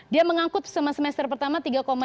dia mengangkut sama semester pertama